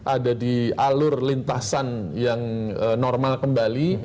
ada di alur lintasan yang normal kembali